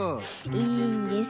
いいんです。